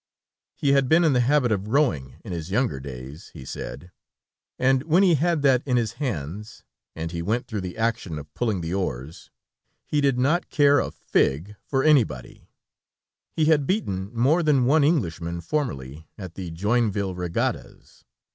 He had been in the habit of rowing in his younger days, he said, and when he had that in his hands and he went through the action of pulling the oars he did not care a fig for anybody. He had beaten more than one Englishman formerly at the Joinville regattas.